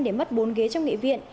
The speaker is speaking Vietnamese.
để mất bốn ghế trong nghị viện